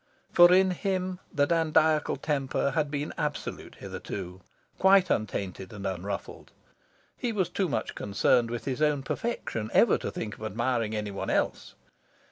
For in him the dandiacal temper had been absolute hitherto, quite untainted and unruffled. He was too much concerned with his own perfection ever to think of admiring any one else.